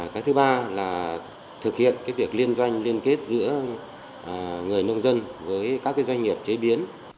cái thứ ba là thực hiện việc liên doanh liên kết giữa người nông dân với các doanh nghiệp chế biến